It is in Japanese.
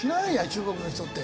中国の人って。